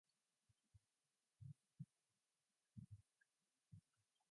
She was named Frances after her mother.